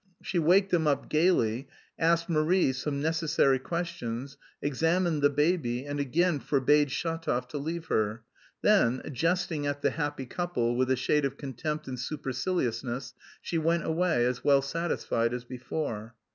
She waked them up gaily, asked Marie some necessary questions, examined the baby, and again forbade Shatov to leave her. Then, jesting at the "happy couple," with a shade of contempt and superciliousness she went away as well satisfied as before.